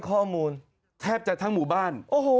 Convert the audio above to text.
ภาษาแรกที่สุดท้าย